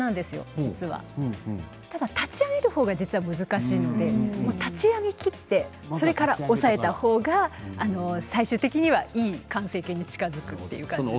実は立ち上げる方が実は難しいので立ち上げきってそれから抑えた方が最終的にはいい完成形に近づくという感じです。